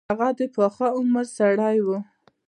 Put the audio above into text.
هغه د پاخه عمر سړی وو.